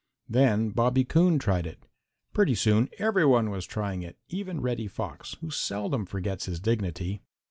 Then Bobby Coon tried it. Pretty soon every one was trying it, even Reddy Fox, who seldom forgets his dignity.